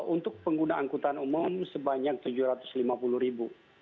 untuk pengguna angkutan umum sebanyak tujuh ratus lima puluh ribu